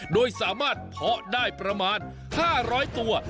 โดยสามารถเพาะได้ประมาณ๕๐๐ตัว